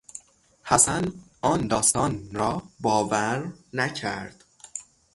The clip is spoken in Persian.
حسن آن داستان را باور نکرد.